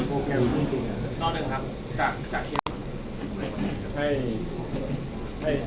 ตอนนึงครับจากจาก